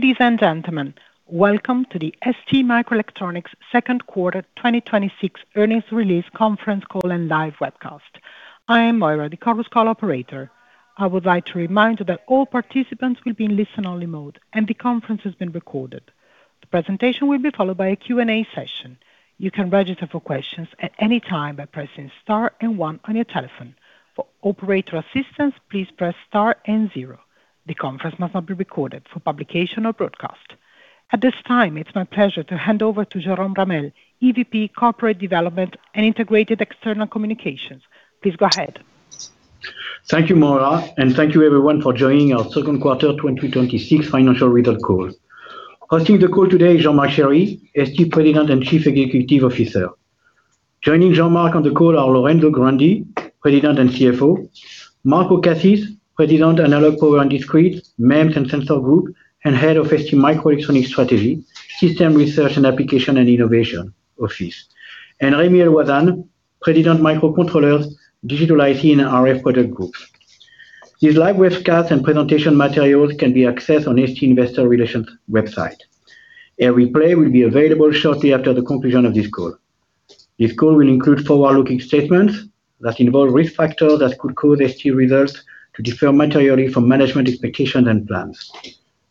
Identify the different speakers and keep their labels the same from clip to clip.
Speaker 1: Ladies and gentlemen, welcome to the STMicroelectronics second quarter 2026 earnings release conference call and live webcast. I am Moira, the Chorus Call operator. I would like to remind you that all participants will be in listen-only mode, and the conference is being recorded. The presentation will be followed by a Q&A session. You can register for questions at any time by pressing star and one on your telephone. For operator assistance, please press star and zero. The conference must not be recorded for publication or broadcast. At this time, it's my pleasure to hand over to Jérôme Ramel, EVP, Corporate Development and Integrated External Communications. Please go ahead.
Speaker 2: Thank you, Moira, and thank you everyone for joining our second quarter 2026 financial results call. Hosting the call today is Jean-Marc Chery, ST President and Chief Executive Officer. Joining Jean-Marc on the call are Lorenzo Grandi, President and CFO. Marco Cassis, President, Analog, Power & Discrete, MEMS and Sensors Group, and Head of STMicroelectronics Strategy, System Research and Application and Innovation Office. Remi El-Ouazzane, President, Microcontrollers, Digital IC and RF Product Group. These live webcasts and presentation materials can be accessed on ST investor relations website. A replay will be available shortly after the conclusion of this call. This call will include forward-looking statements that involve risk factors that could cause ST results to differ materially from management expectations and plans.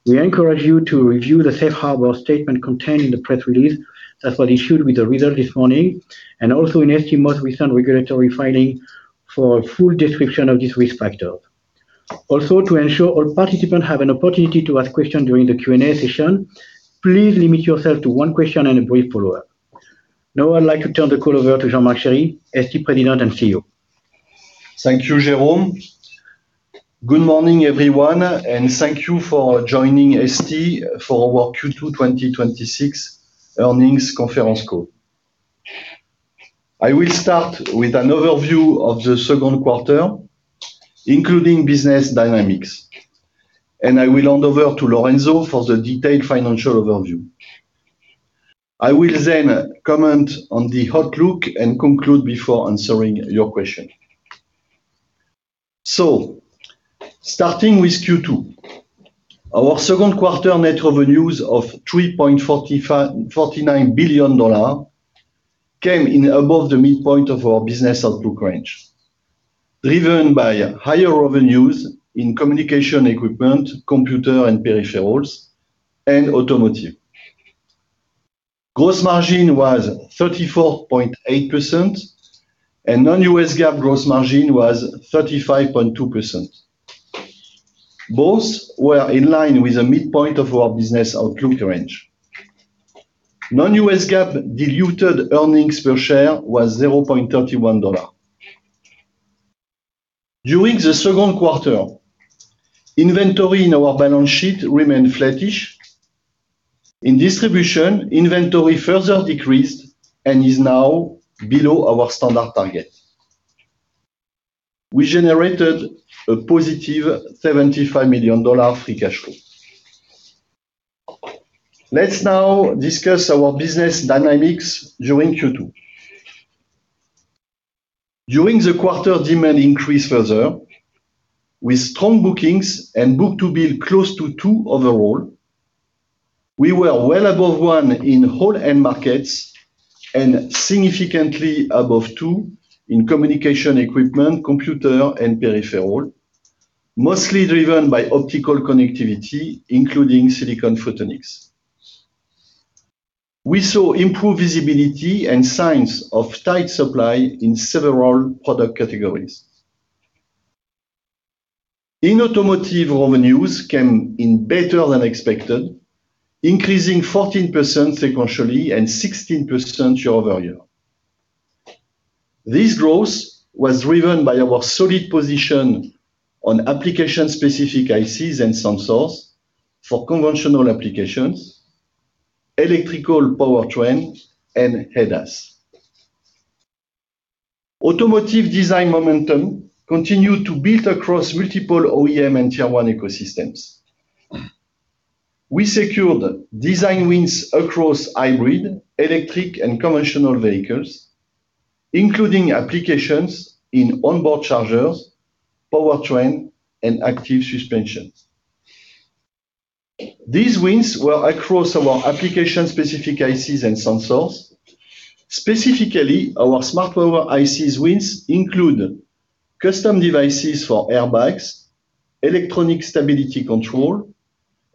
Speaker 2: We encourage you to review the safe harbor statement contained in the press release that was issued with the result this morning and also in ST most recent regulatory filing for a full description of these risk factors. Also, to ensure all participants have an opportunity to ask questions during the Q&A session, please limit yourself to one question and a brief follow-up. Now, I'd like to turn the call over to Jean-Marc Chery, ST President and CEO.
Speaker 3: Thank you, Jérôme. Good morning, everyone, and thank you for joining ST for our Q2 2026 earnings conference call. I will start with an overview of the second quarter, including business dynamics, and I will hand over to Lorenzo for the detailed financial overview. I will then comment on the outlook and conclude before answering your question. Starting with Q2. Our second quarter net revenues of $3.49 billion came in above the midpoint of our business outlook range, driven by higher revenues in communication equipment, computer and peripherals, and automotive. Gross margin was 34.8%, and non-U.S. GAAP gross margin was 35.2%. Both were in line with the midpoint of our business outlook range. Non-U.S. GAAP diluted earnings per share was $0.31. During the second quarter, inventory in our balance sheet remained flattish. In distribution, inventory further decreased and is now below our standard target. We generated a +$75 million free cash flow. Let's now discuss our business dynamics during Q2. During the quarter, demand increased further with strong bookings and book-to-bill close to two overall. We were well above one in whole end markets and significantly above two in communication equipment, computer and peripheral, mostly driven by optical connectivity, including silicon photonics. We saw improved visibility and signs of tight supply in several product categories. In automotive, revenues came in better than expected, increasing 14% sequentially and 16% year-over-year. This growth was driven by our solid position on application-specific ICs and sensors for conventional applications, electrical powertrain, and ADAS. Automotive design momentum continued to build across multiple OEM and Tier 1 ecosystems. We secured design wins across hybrid electric and conventional vehicles, including applications in onboard chargers, powertrain, and active suspensions. These wins were across our application-specific ICs and sensors. Specifically, our smart power ICs wins include custom devices for airbags, electronic stability control,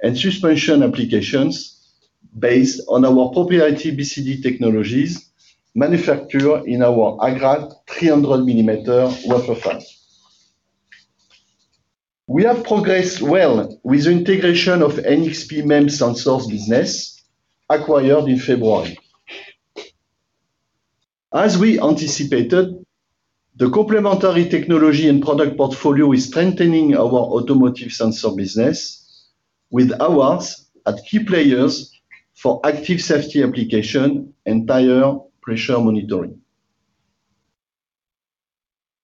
Speaker 3: and suspension applications based on our proprietary BCD technologies manufactured in our Agrate 300-millimeter wafer fab. We have progressed well with the integration of NXP MEMS Sensors business acquired in February. As we anticipated, the complementary technology and product portfolio is strengthening our automotive sensor business with awards at key players for active safety application and tire pressure monitoring.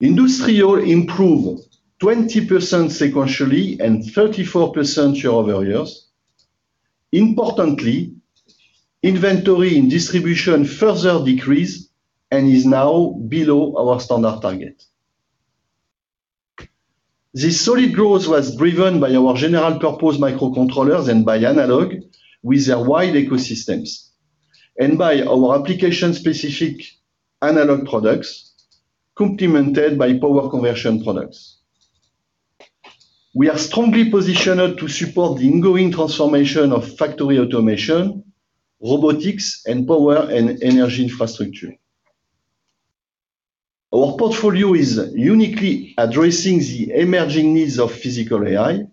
Speaker 3: Industrial improved 20% sequentially and 34% year-over-year. Importantly, inventory and distribution further decreased and is now below our standard target. This solid growth was driven by our general-purpose microcontrollers and by analog with their wide ecosystems, and by our application-specific analog products complemented by power conversion products. We are strongly positioned to support the ongoing transformation of factory automation, robotics, and power and energy infrastructure. Our portfolio is uniquely addressing the emerging needs of physical AI,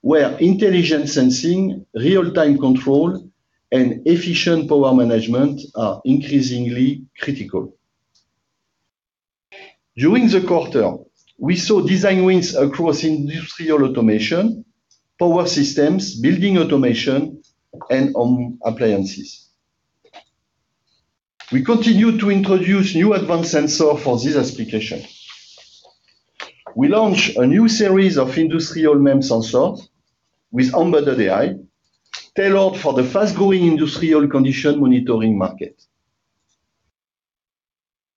Speaker 3: where intelligent sensing, real-time control, and efficient power management are increasingly critical. During the quarter, we saw design wins across industrial automation, power systems, building automation, and home appliances. We continue to introduce new advanced sensor for this application. We launched a new series of industrial MEMS sensors with embedded AI, tailored for the fast-growing industrial condition monitoring market.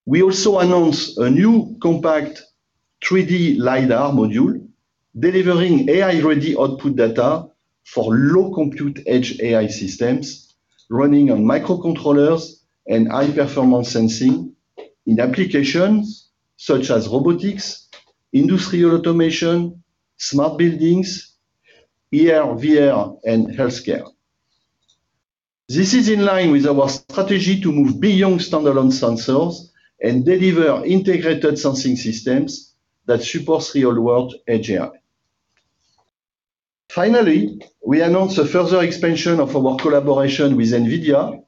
Speaker 3: We also announced a new compact 3D LiDAR module delivering AI-ready output data for low compute edge AI systems running on microcontrollers and high-performance sensing in applications such as robotics, industrial automation, smart buildings, AR/VR, and healthcare. This is in line with our strategy to move beyond standalone sensors and deliver integrated sensing systems that support real-world edge AI. Finally, we announced a further expansion of our collaboration with NVIDIA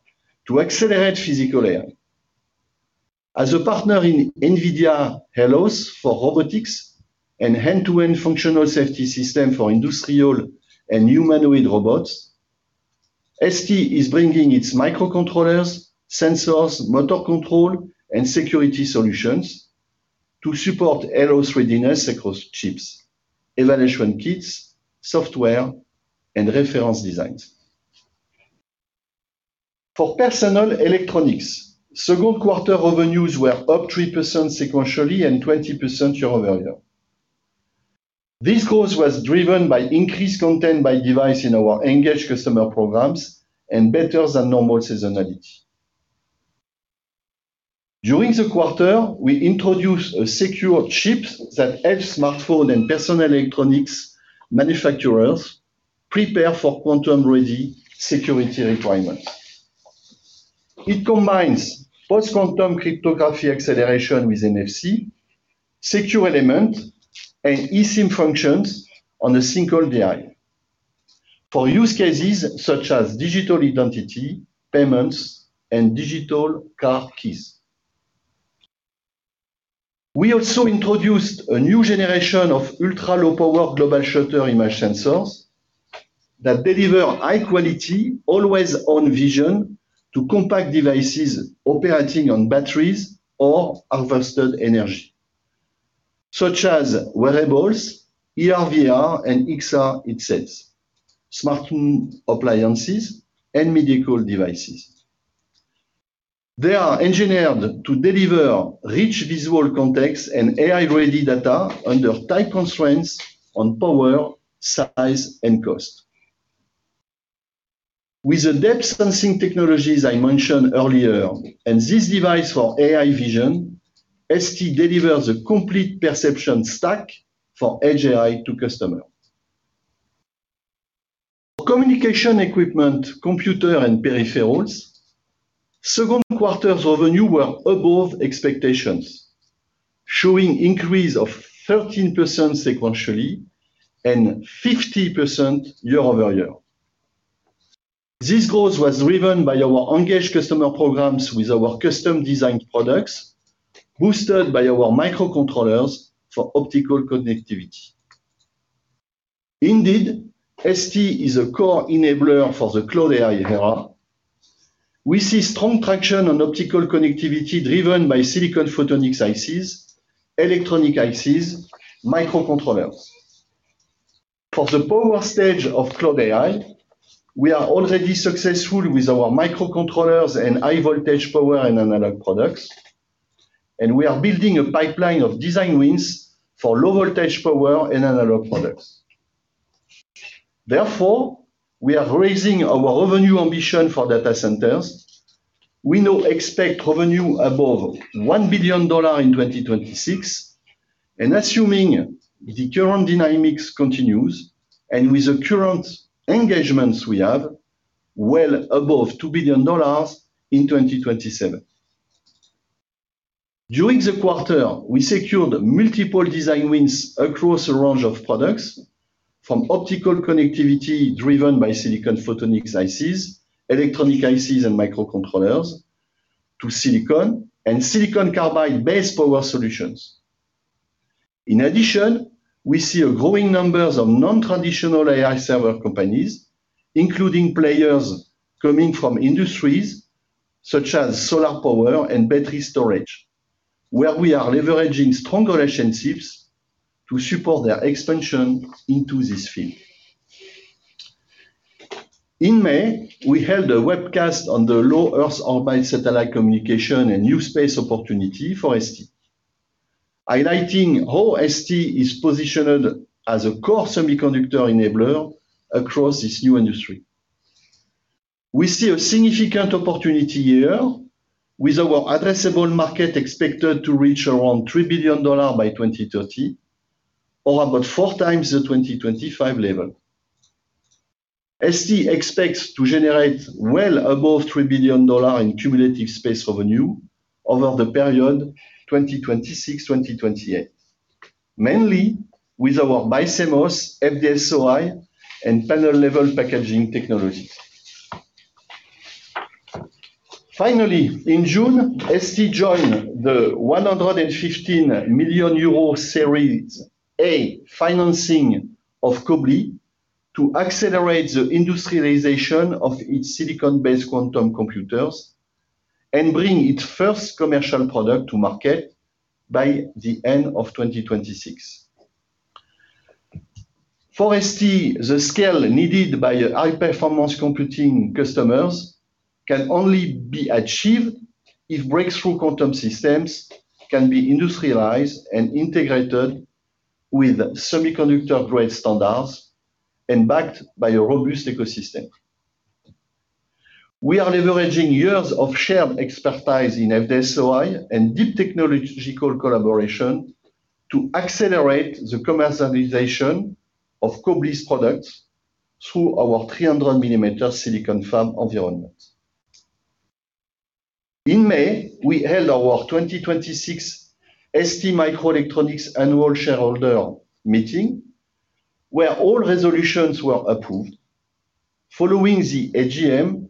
Speaker 3: to accelerate physical AI. As a partner in NVIDIA Helios for robotics and end-to-end functional safety system for industrial and humanoid robots, ST is bringing its microcontrollers, sensors, motor control, and security solutions to support Helios readiness across chips, evaluation kits, software, and reference designs. For personal electronics, second quarter revenues were up 3% sequentially and 20% year-over-year. This growth was driven by increased content by device in our engaged customer programs and better than normal seasonality. During the quarter, we introduced a secure chip that helps smartphone and personal electronics manufacturers prepare for quantum-ready security requirements. It combines post-quantum cryptography acceleration with NFC, secure element, and eSIM functions on a single die for use cases such as digital identity, payments, and digital car keys. We also introduced a new generation of ultra-low power global shutter image sensors that deliver high-quality, always-on-vision to compact devices operating on batteries or harvested energy, such as wearables, AR/VR and XR headsets, smart home appliances, and medical devices. They are engineered to deliver rich visual context and AI-ready-data under tight constraints on power, size, and cost. With the depth sensing technologies I mentioned earlier and this device for AI vision, ST delivers a complete perception stack for edge AI to customer. For communication equipment, computer, and peripherals, second quarter's revenue were above expectations, showing increase of 13% sequentially and 50% year-over-year. This growth was driven by our engaged customer programs with our custom-designed products, boosted by our microcontrollers for optical connectivity. ST is a core enabler for the cloud AI era. We see strong traction on optical connectivity driven by silicon photonics ICs, electronic ICs, microcontrollers. For the power stage of cloud AI, we are already successful with our microcontrollers and high voltage power and analog products, and we are building a pipeline of design wins for low voltage power and analog products. We are raising our revenue ambition for data centers. We now expect revenue above $1 billion in 2026, and assuming the current dynamics continues, and with the current engagements we have, well above $2 billion in 2027. During the quarter, we secured multiple design wins across a range of products, from optical connectivity driven by silicon photonics ICs, electronic ICs, and microcontrollers, to silicon and silicon carbide-based power solutions. We see a growing numbers of non-traditional AI server companies, including players coming from industries such as solar power and battery storage, where we are leveraging strong relationships to support their expansion into this field. In May, we held a webcast on the low Earth orbit satellite communication and new space opportunity for ST, highlighting how ST is positioned as a core semiconductor enabler across this new industry. We see a significant opportunity here with our addressable market expected to reach around $3 billion by 2030, or about four times the 2025 level. ST expects to generate well above $3 billion in cumulative space revenue over the period 2026, 2028, mainly with our BiCMOS, FD-SOI, and panel-level packaging technology. In June, ST joined the 115 million euro Series A financing of Quobly to accelerate the industrialization of its silicon-based quantum computers and bring its first commercial product to market by the end of 2026. For ST, the scale needed by high-performance computing customers can only be achieved if breakthrough quantum systems can be industrialized and integrated with semiconductor-grade standards and backed by a robust ecosystem. We are leveraging years of shared expertise in FDSOI and deep technological collaboration to accelerate the commercialization of Quobly's products through our 300 millimeter silicon fab environment. In May, we held our 2026 STMicroelectronics annual shareholder meeting, where all resolutions were approved. Following the AGM,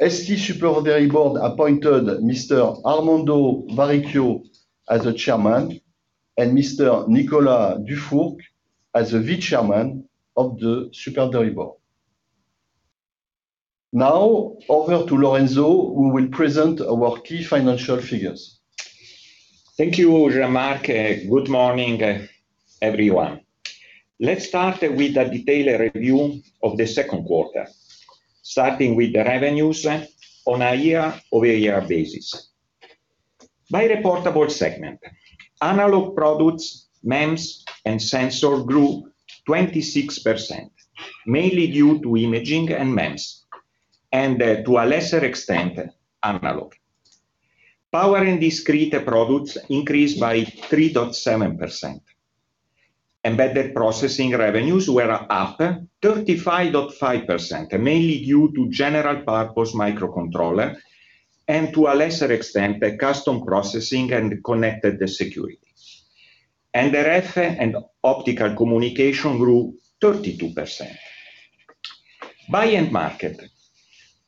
Speaker 3: ST Supervisory Board appointed Mr. Armando Varricchio as the Chairman and Mr. Nicolas Dufourcq as the Vice Chairman of the Supervisory Board. Now over to Lorenzo, who will present our key financial figures.
Speaker 4: Thank you, Jean-Marc. Good morning, everyone. Let's start with a detailed review of the second quarter, starting with the revenues on a year-over-year basis. By reportable segment, Analog products, MEMS, and Sensors grew 26%, mainly due to imaging and MEMS, and to a lesser extent, analog. Power and Discrete products increased by 3.7%. Embedded Processing revenues were up 35.5%, mainly due to general purpose microcontroller and, to a lesser extent, custom processing and connected security. RF and Optical Communication grew 32%. By end market,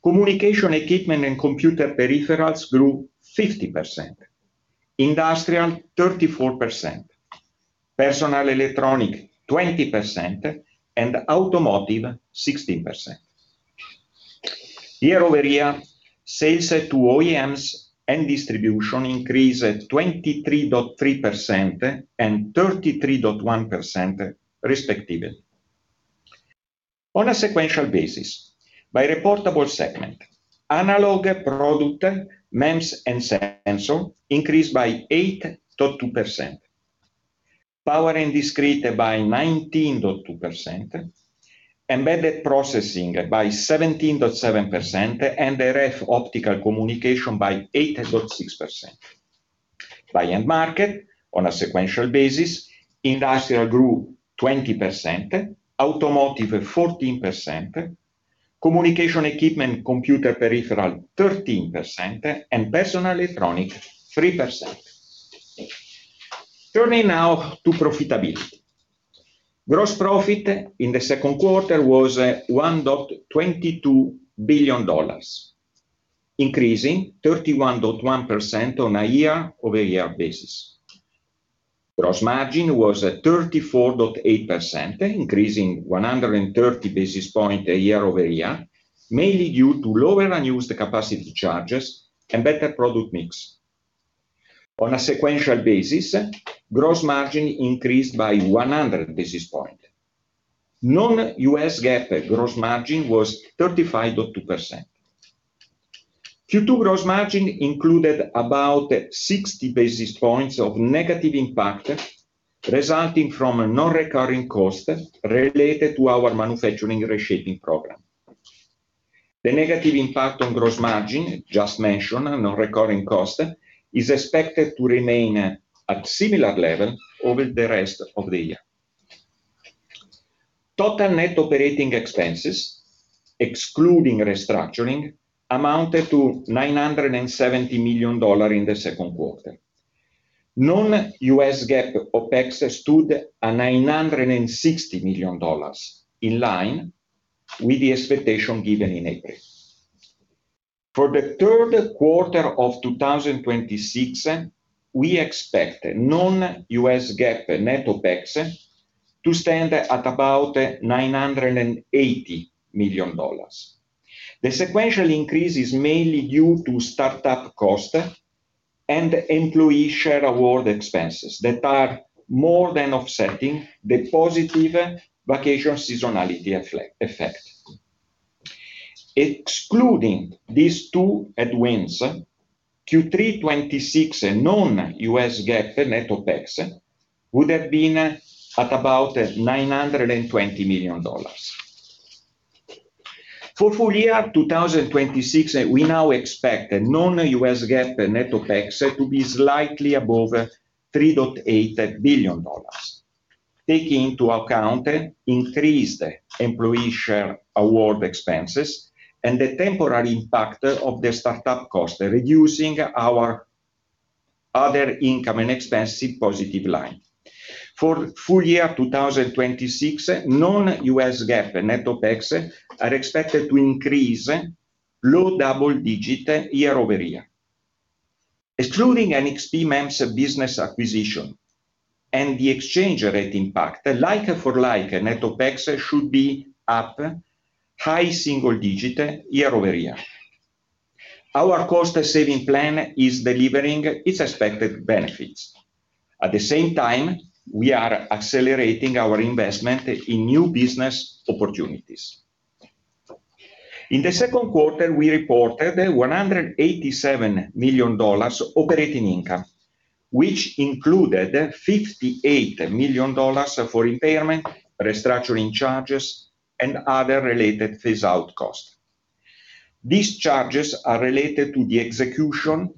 Speaker 4: communication equipment and computer peripherals grew 50%, Industrial 34%, Personal Electronic 20%, and Automotive 16%. Year-over-year sales to OEMs and distribution increased 23.3% and 33.1% respectively. On a sequential basis, by reportable segment, Analog product, MEMS, and Sensors increased by 8.2%. Power and Discrete by 19.2%, Embedded Processing by 17.7%, and RF Optical Communication by 8.6%. By end market, on a sequential basis, Industrial grew 20%, Automotive at 14%, communication equipment, computer peripheral 13%, and Personal Electronic 3%. Turning now to profitability. Gross profit in the second quarter was $1.22 billion, increasing 31.1% on a year-over-year basis. Gross margin was at 34.8%, increasing 130 basis points year-over-year, mainly due to lower unused capacity charges and better product mix. On a sequential basis, gross margin increased by 100 basis points. non-U.S. GAAP gross margin was 35.2%. Q2 gross margin included about 60 basis points of negative impact resulting from a non-recurring cost related to our manufacturing reshaping program. The negative impact on gross margin, just mentioned, a non-recurring cost, is expected to remain at similar level over the rest of the year. Total net operating expenses, excluding restructuring, amounted to $970 million in the second quarter. non-U.S. GAAP OpEx stood at $960 million, in line with the expectation given in April. For the third quarter of 2026, we expect non-U.S. GAAP net OpEx to stand at about $980 million. The sequential increase is mainly due to startup cost and employee share award expenses that are more than offsetting the positive vacation seasonality effect. Excluding these two headwinds, Q3 2026 non-U.S. GAAP net OpEx would have been at about $920 million. For full year 2026, we now expect non-U.S. GAAP net OpEx to be slightly above $3.8 billion, taking into account increased employee share award expenses and the temporary impact of the startup cost, reducing our other income and expense positive line. For full year 2026, non-U.S. GAAP net OpEx are expected to increase low double-digit year-over-year. Excluding NXP MEMS business acquisition and the exchange rate impact, like-for-like net OpEx should be up high single-digit year-over-year. Our cost-saving plan is delivering its expected benefits. At the same time, we are accelerating our investment in new business opportunities. In the second quarter, we reported $187 million operating income, which included $58 million for impairment, restructuring charges, and other related phase-out costs. These charges are related to the execution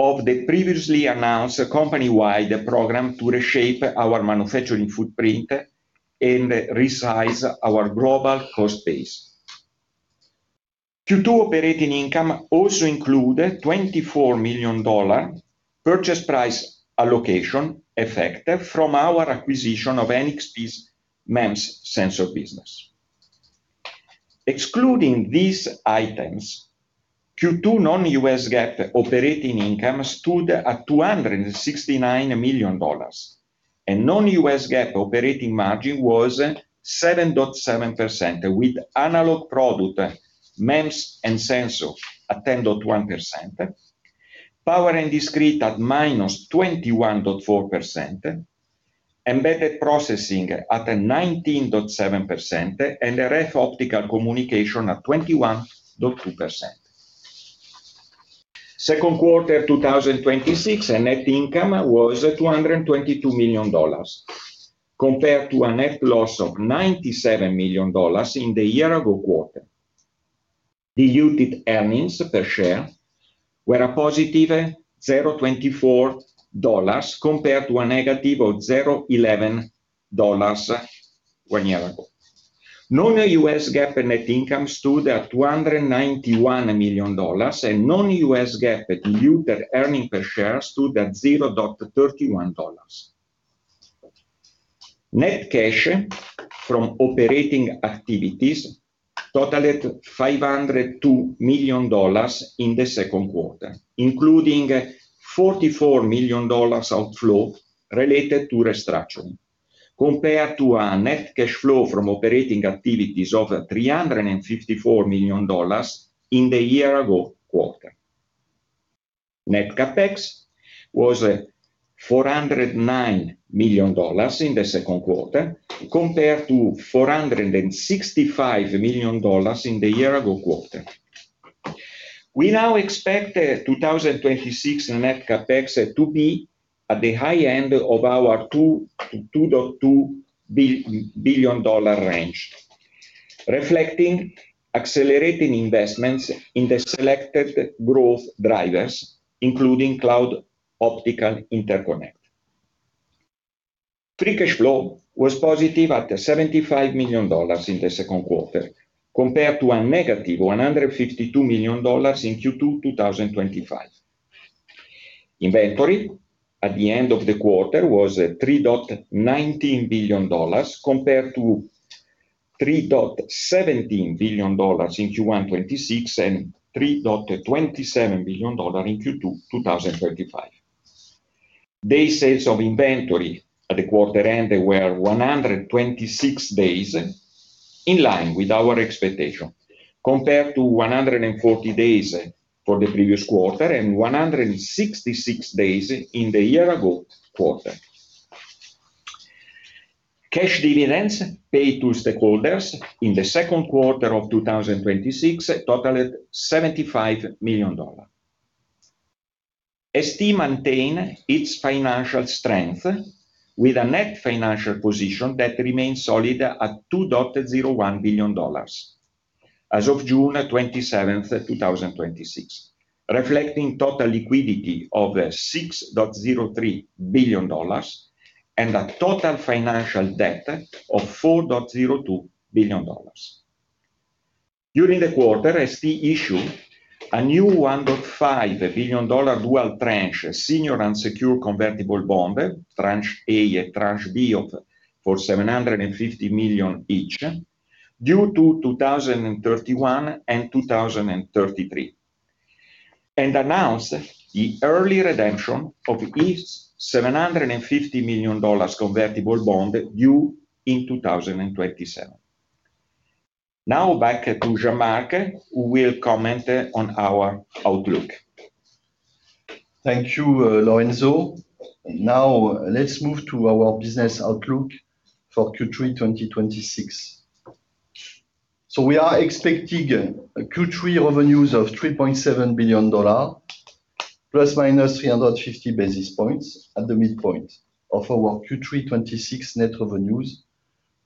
Speaker 4: of the previously announced company-wide program to reshape our manufacturing footprint and resize our global cost base. Q2 operating income also included $24 million purchase price allocation effect from our acquisition of NXP's MEMS Sensors business. Excluding these items, Q2 non-U.S. GAAP operating income stood at $269 million, and non-U.S. GAAP operating margin was 7.7%, with Analog product, MEMS, and Sensors at 10.1%, Power and Discrete at -21.4%, Embedded Processing at 19.7%, and RF Optical Communication at 21.2%. Second quarter 2026 net income was $222 million, compared to a net loss of $97 million in the year-ago quarter. Diluted earnings per share were a +$0.24, compared to a -$0.11 one year ago. non-U.S. GAAP net income stood at $291 million, and non-U.S. GAAP diluted earning per share stood at $0.31. Net cash from operating activities totaled $502 million in the second quarter, including $44 million outflow related to restructuring, compared to a net cash flow from operating activities of $354 million in the year-ago quarter. Net CapEx was $409 million in the second quarter, compared to $465 million in the year-ago quarter. We now expect 2026 net CapEx to be at the high end of our $2 billion-$2.2 billion range, reflecting accelerating investments in the selected growth drivers, including cloud optical interconnect. Free cash flow was +$75 million in the second quarter, compared to a -$152 million in Q2 2025. Inventory at the end of the quarter was $3.19 billion, compared to $3.17 billion in Q1 2026 and $3.27 billion in Q2 2025. Day sales of inventory at the quarter end were 126 days, in line with our expectation, compared to 140 days for the previous quarter and 166 days in the year-ago quarter. Cash dividends paid to stakeholders in the second quarter of 2026 totaled $75 million. ST maintained its financial strength with a net financial position that remains solid at $2.01 billion as of June 27th, 2026, reflecting total liquidity of $6.03 billion and a total financial debt of $4.02 billion. During the quarter, ST issued a new $1.5 billion dual-tranche senior unsecured convertible bond, Tranche A and Tranche B for $750 million each, due 2031 and 2033. Announce the early redemption of its $750 million convertible bond due in 2027. Now back to Jean-Marc, who will comment on our outlook.
Speaker 3: Thank you, Lorenzo. Now let's move to our business outlook for Q3 2026. We are expecting Q3 revenues of $3.7 billion, ±350 basis points at the midpoint of our Q3 2026 net revenues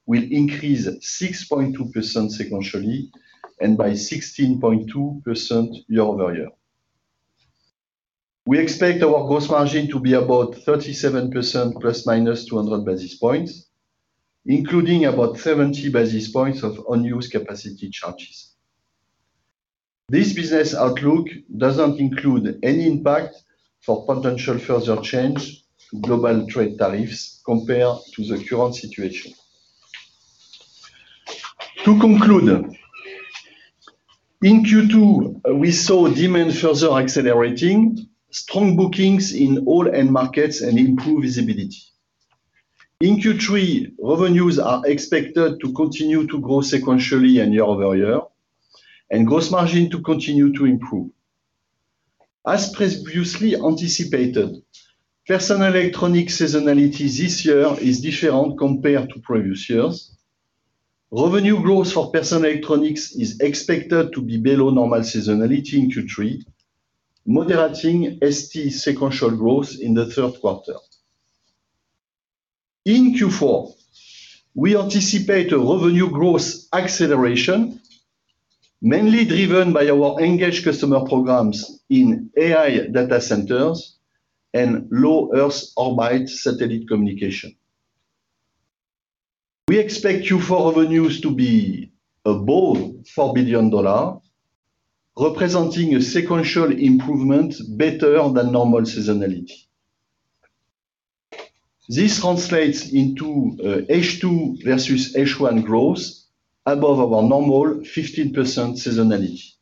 Speaker 3: will increase 6.2% sequentially and by 16.2% year-over-year. We expect our gross margin to be about 37%, ±200 basis points, including about 70 basis points of unused capacity charges. This business outlook doesn't include any impact for potential further change to global trade tariffs compared to the current situation. To conclude, in Q2, we saw demand further accelerating, strong bookings in all end markets, and improved visibility. In Q3, revenues are expected to continue to grow sequentially and year-over-year, and gross margin to continue to improve. As previously anticipated, personal electronic seasonality this year is different compared to previous years. Revenue growth for personal electronics is expected to be below normal seasonality in Q3, moderating ST sequential growth in the third quarter. In Q4, we anticipate a revenue growth acceleration, mainly driven by our engaged customer programs in AI data centers and low-earth orbit satellite communication. We expect Q4 revenues to be above $4 billion, representing a sequential improvement better than normal seasonality. This translates into H2 versus H1 growth above our normal 15% seasonality.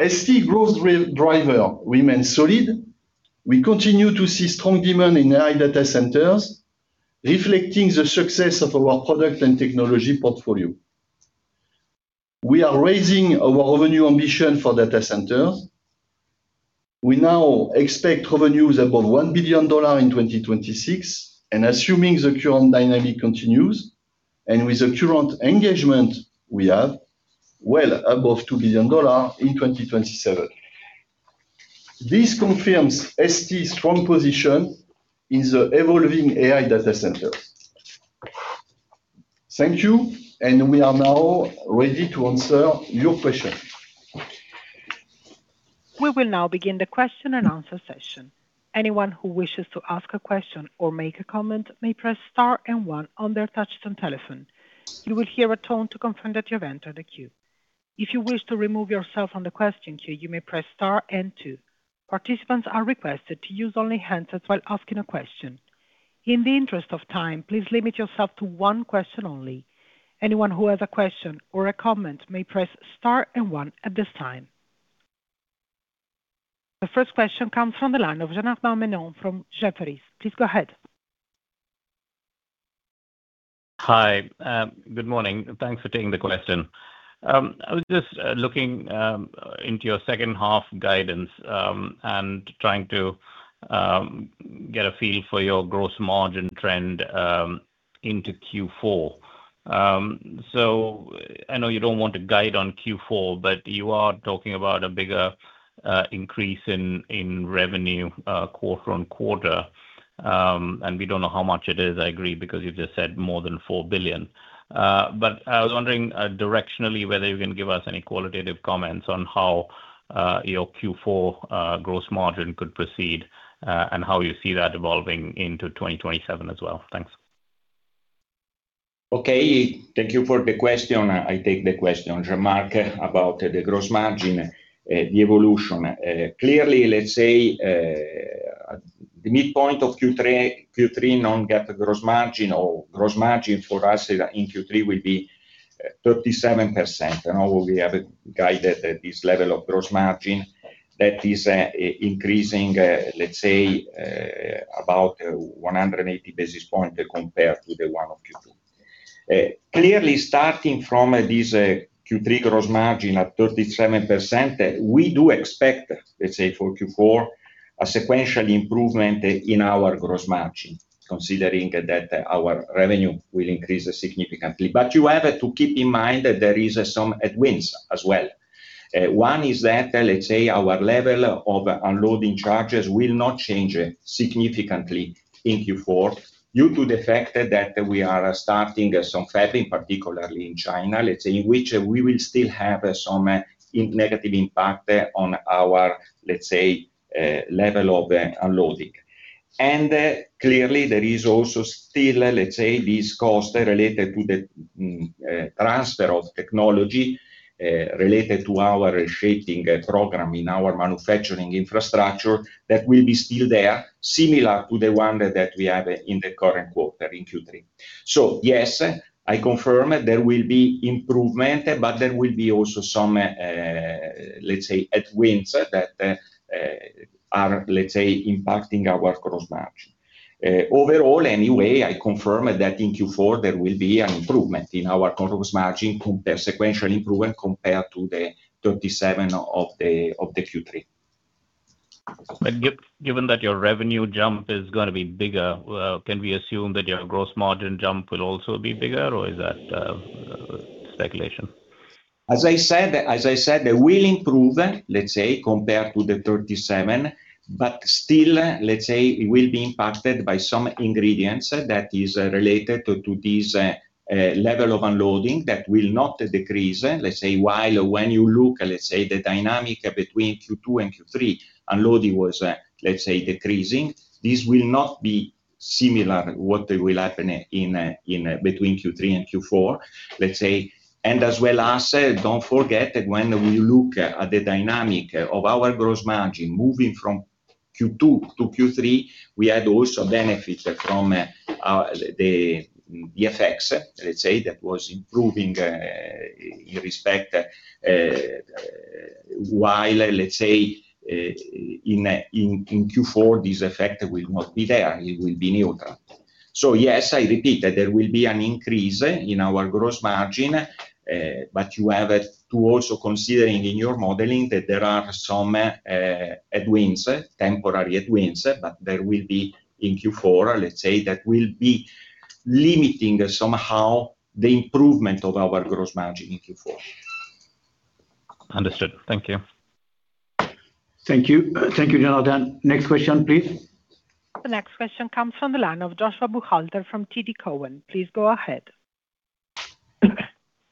Speaker 3: ST growth driver remains solid. We continue to see strong demand in AI data centers, reflecting the success of our product and technology portfolio. We are raising our revenue ambition for data centers. We now expect revenues above $1 billion in 2026, and assuming the current dynamic continues, and with the current engagement we have, well above $2 billion in 2027. This confirms ST's strong position in the evolving AI data centers. Thank you. We are now ready to answer your questions.
Speaker 1: We will now begin the question and answer session. Anyone who wishes to ask a question or make a comment may press star and one on their touch-tone telephone. You will hear a tone to confirm that you have entered a queue. If you wish to remove yourself from the question queue, you may press star and two. Participants are requested to use only handsets while asking a question. In the interest of time, please limit yourself to one question only. Anyone who has a question or a comment may press star and one at this time. The first question comes from the line of Janardan Menon from Jefferies. Please go ahead.
Speaker 5: Hi. Good morning. Thanks for taking the question. I was just looking into your second half guidance, trying to get a feel for your gross margin trend into Q4. I know you don't want to guide on Q4, but you are talking about a bigger increase in revenue quarter-on-quarter. We don't know how much it is, I agree, because you just said more than $4 billion. I was wondering directionally whether you can give us any qualitative comments on how your Q4 gross margin could proceed, and how you see that evolving into 2027 as well. Thanks.
Speaker 4: Okay. Thank you for the question. I take the question, Jean-Marc, about the gross margin, the evolution. Clearly, let's say the midpoint of Q3 non-GAAP gross margin or gross margin for us in Q3 will be 37%. We have it guided at this level of gross margin that is increasing at about 180 basis points compared to the one of Q2. Clearly, starting from this Q3 gross margin at 37%, we do expect, let's say for Q4, a sequential improvement in our gross margin, considering that our revenue will increase significantly. You have to keep in mind that there is some headwinds as well. One is that our level of underloading charges will not change significantly in Q4 due to the fact that we are starting some fab, particularly in China, in which we will still have some negative impact on our level of underloading. Clearly, there is also still these costs related to the transfer of technology, related to our shaping program in our manufacturing infrastructure that will be still there, similar to the one that we have in the current quarter in Q3. Yes, I confirm there will be improvement, but there will be also some headwinds that are impacting our gross margin. Overall, anyway, I confirm that in Q4 there will be an improvement in our gross margin compared, sequential improvement compared to the 37% of the Q3.
Speaker 5: Given that your revenue jump is going to be bigger, can we assume that your gross margin jump will also be bigger, or is that speculation?
Speaker 4: As I said, it will improve, let's say, compared to the 37%, but still, let's say it will be impacted by some ingredients that is related to this level of underloading that will not decrease, let's say, while when you look, let's say the dynamic between Q2 and Q3, underloading was, let's say, decreasing. This will not be similar, what will happen in between Q3 and Q4. Let's say, and as well as, don't forget that when we look at the dynamic of our gross margin moving from Q2 to Q3, we had also benefits from the FX, let's say, that was improving, in respect, while, let's say in Q4, this effect will not be there. It will be neutral. Yes, I repeat that there will be an increase in our gross margin. You have to also consider in your modeling that there are some headwinds, temporary headwinds, but there will be in Q4, let's say, that will be limiting somehow the improvement of our gross margin in Q4.
Speaker 5: Understood. Thank you.
Speaker 2: Thank you. Thank you, Janardan. Next question, please.
Speaker 1: The next question comes from the line of Joshua Buchalter from TD Cowen. Please go ahead.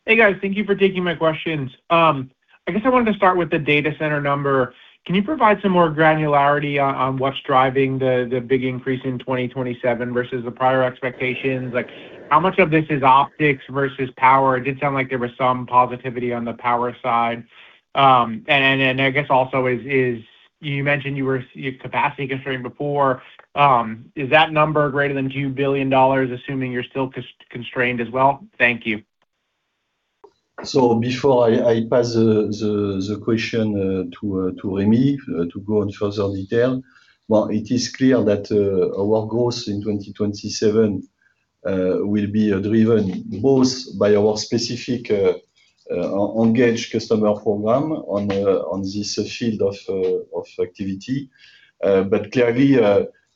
Speaker 6: Hey, guys. Thank you for taking my questions. I guess I wanted to start with the data center number. Can you provide some more granularity on what's driving the big increase in 2027 versus the prior expectations? Like how much of this is optics versus power? It did sound like there was some positivity on the power side. I guess also, you mentioned you were capacity constrained before. Is that number greater than $2 billion, assuming you're still constrained as well? Thank you.
Speaker 3: Before I pass the question to Remi to go in further detail. Well, it is clear that our growth in 2027 will be driven both by our specific engaged customer program on this field of activity. Clearly,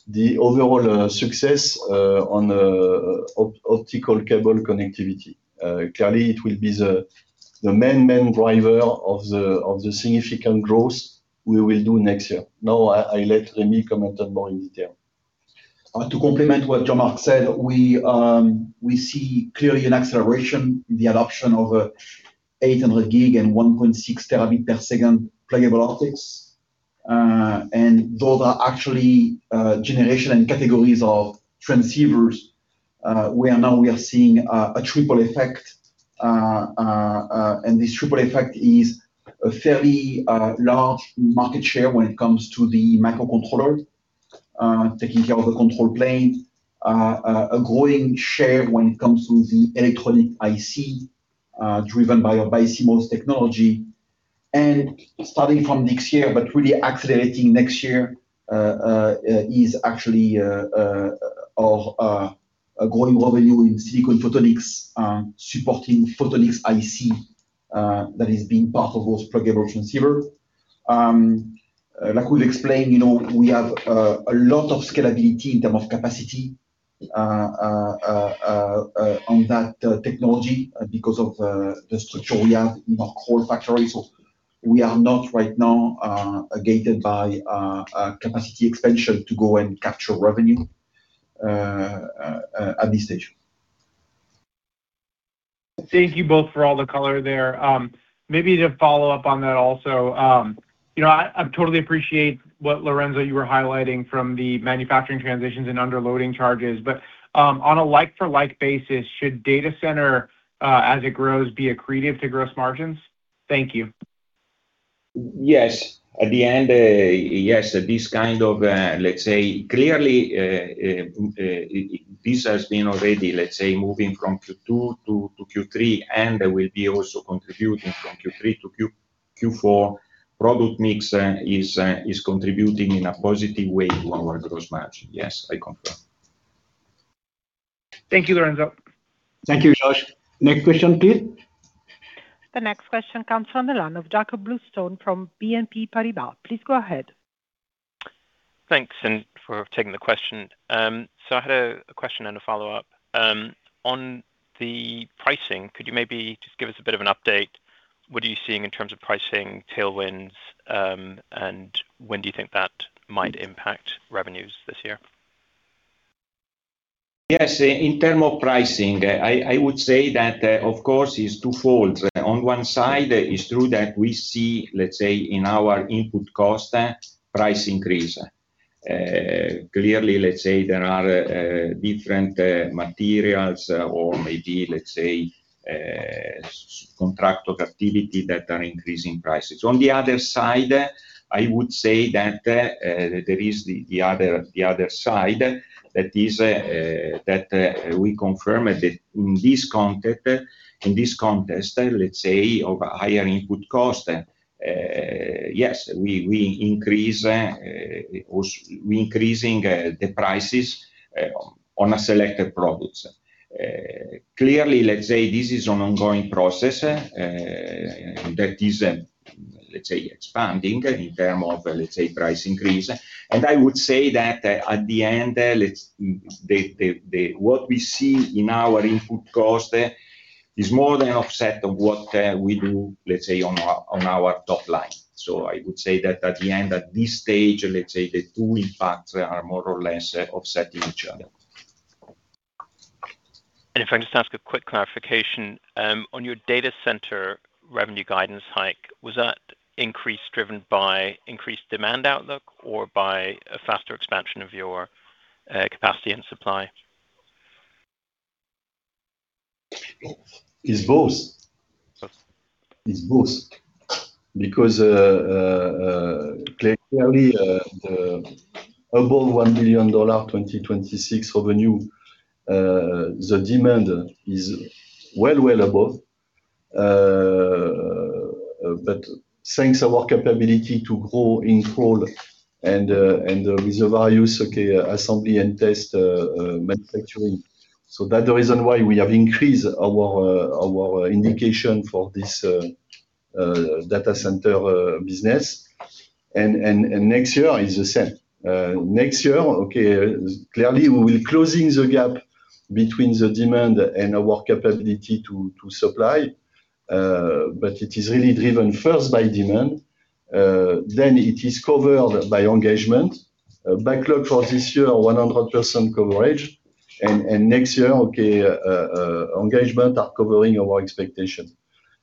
Speaker 3: the overall success on optical cable connectivity, clearly it will be the main driver of the significant growth we will do next year. I let Remi comment on more in detail.
Speaker 7: To complement what Jean-Marc said, we see clearly an acceleration in the adoption of 800 gig and 1.6 terabit per second pluggable optics. Those are actually generation and categories of transceivers where now we are seeing a triple effect. This triple effect is a fairly large market share when it comes to the microcontroller, taking care of the control plane. A growing share when it comes to the electronic IC, driven by our BiCMOS technology. Starting from next year, but really accelerating next year, is actually a growing revenue in silicon photonics, supporting photonic IC, that is being part of those pluggable transceiver. Like we've explained, we have a lot of scalability in terms of capacity on that technology because of the structure we have in our core factory. We are not right now gated by capacity expansion to go and capture revenue at this stage.
Speaker 6: Thank you both for all the color there. Maybe to follow up on that also. I totally appreciate what Lorenzo you were highlighting from the manufacturing transitions and underloading charges, on a like for like basis, should data center, as it grows, be accretive to gross margins? Thank you.
Speaker 4: Yes. At the end, yes. This kind of, let's say, clearly, this has been already, let's say, moving from Q2 to Q3 and will be also contributing from Q3 to Q4. Product mix is contributing in a positive way to our gross margin. Yes, I confirm.
Speaker 6: Thank you, Lorenzo.
Speaker 2: Thank you, Josh. Next question please.
Speaker 1: The next question comes from the line of Jakob Bluestone from BNP Paribas. Please go ahead.
Speaker 8: Thanks for taking the question. I had a question and a follow-up. On the pricing, could you maybe just give us a bit of an update? What are you seeing in terms of pricing tailwinds, when do you think that might impact revenues this year?
Speaker 4: Yes. In terms of pricing, I would say that, of course, it's twofold. On one side, it's true that we see, let's say in our input cost, price increase. Clearly, let's say there are different materials or maybe, let's say, contract of activity that are increasing prices. On the other side, I would say that there is the other side that is, that we confirm that in this context, let's say of higher input cost and yes, we increasing the prices on selected products. Clearly, let's say this is an ongoing process that is expanding in terms of price increase. I would say that at the end, what we see in our input cost is more than offset of what we do on our top line. I would say that at the end, at this stage, the two impacts are more or less offsetting each other.
Speaker 8: If I can just ask a quick clarification. On your data center revenue guidance hike, was that increase driven by increased demand outlook or by a faster expansion of your capacity and supply?
Speaker 3: It's both.
Speaker 8: Sorry.
Speaker 3: Clearly, above $1 billion 2026 revenue, the demand is well above. Thanks our capability to grow in full and with the values, assembly and test manufacturing. That the reason why we have increased our indication for this data center business. Next year is the same. Next year, clearly, we will closing the gap between the demand and our capability to supply. It is really driven first by demand, then it is covered by engagement. Backlog for this year, 100% coverage. Next year, engagement are covering our expectation.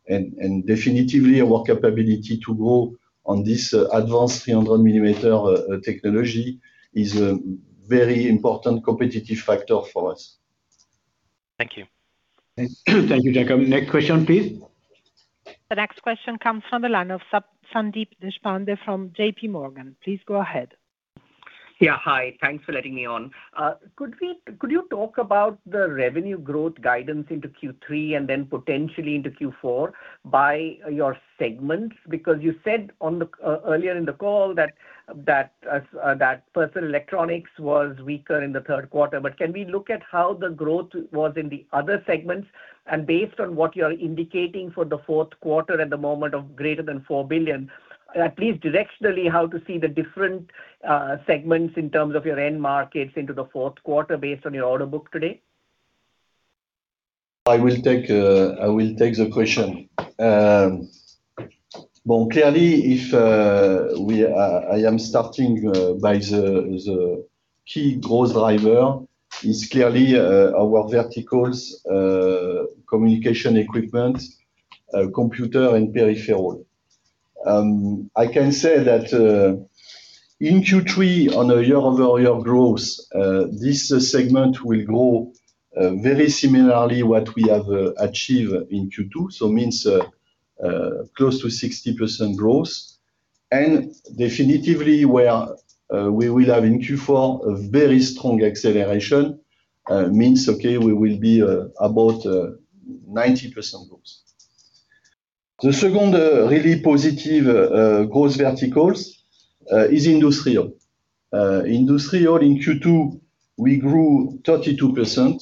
Speaker 3: Definitively, our capability to grow on this advanced 300 millimeter technology is a very important competitive factor for us.
Speaker 8: Thank you.
Speaker 2: Thank you, Jakob. Next question, please.
Speaker 1: The next question comes from the line of Sandeep Deshpande from JPMorgan. Please go ahead.
Speaker 9: Yeah. Hi. Thanks for letting me on. Could you talk about the revenue growth guidance into Q3 and then potentially into Q4 by your segments? You said earlier in the call that personal electronics was weaker in the third quarter. Can we look at how the growth was in the other segments, and based on what you're indicating for the fourth quarter at the moment of greater than 4 billion, at least directionally, how to see the different segments in terms of your end markets into the fourth quarter based on your order book today?
Speaker 3: I will take the question. I am starting by the key growth driver is clearly our verticals, communication equipment, computer and peripheral. I can say that in Q3, on a year-over-year growth, this segment will grow very similarly what we have achieved in Q2, so means close to 60% growth. Definitively, we will have in Q4 a very strong acceleration, means we will be about 90% growth. The second really positive growth verticals is industrial. Industrial in Q2, we grew 32%,